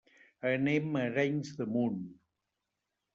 Anem a Arenys de Munt.